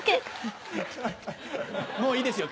もういいですよ